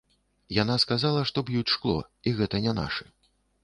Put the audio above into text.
Яна сказала, што б'юць шкло, і гэта не нашы.